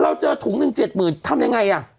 เจอถุงหนึ่ง๗๐๐ทำยังไงอ่ะ